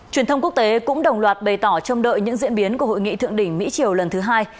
truyền thông quốc tế cũng đồng loạt bày tỏ trông đợi những diễn biến của hội nghị thượng đỉnh mỹ triều lần thứ hai